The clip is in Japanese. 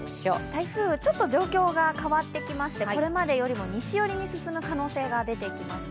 台風、ちょっと状況が変わってきまして、これまでよりも西寄りに進む可能性が出てきました。